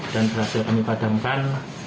dan berhasil kami padamkan